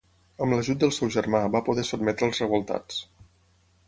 Amb l'ajut del seu germà va poder sotmetre als revoltats.